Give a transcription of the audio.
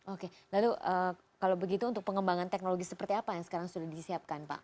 oke lalu kalau begitu untuk pengembangan teknologi seperti apa yang sekarang sudah disiapkan pak